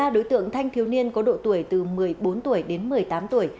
ba đối tượng thanh thiếu niên có độ tuổi từ một mươi bốn tuổi đến một mươi tám tuổi